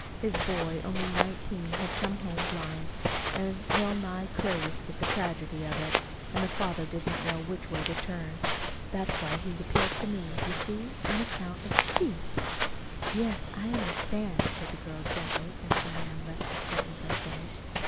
His boy only nineteen had come home blind, and well nigh crazed with the tragedy of it. And the father didn't know which way to turn. That's why he had appealed to me. You see, on account of Keith " "Yes, I understand," said the girl gently, as the man left his sentence unfinished.